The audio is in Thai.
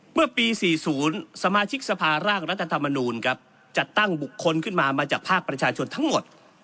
เมื่อปี๔๐สมาชิกสภาร่างรัฐธรรมนูลครับจัดตั้งบุคคลขึ้นมามาจากภาคประชาชนทั้งหมด